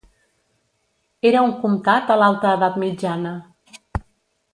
Era un comtat a l'alta edat mitjana.